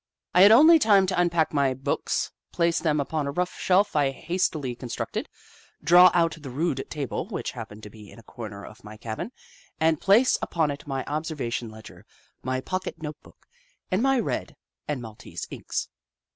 I had only time to unpack my books, place them upon a rough shelf I hastily constructed, draw out the rude table which happened to be in a corner of my cabin, and place upon it my observation ledger, my pocket note book, and my red and maltese inks.